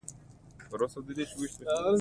هغه له دفتره وروسته کور ته په ارامه زړه راستون شو.